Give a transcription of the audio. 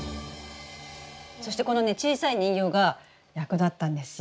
そしてこのね小さい人形が役立ったんですよ。